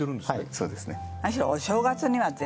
そうですね。